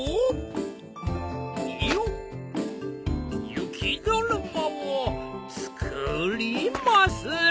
雪だるまを作りまする。